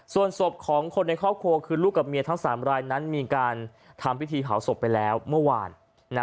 ส่วนศพของคนในครอบครัวคือลูกกับเมียทั้ง๓รายนั้นมีการทำพิธีเผาศพไปแล้วเมื่อวาน